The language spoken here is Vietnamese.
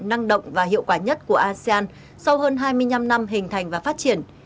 năng động và hiệu quả nhất của asean sau hơn hai mươi năm năm hình thành và phát triển